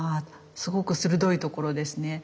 すごく鋭いところですね。